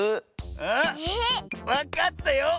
あわかったよ。